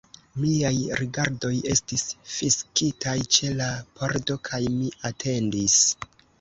Miaj rigardoj estis fiksitaj ĉe la pordo, kaj mi atendis.